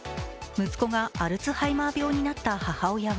息子がアルツハイマー病になった母親は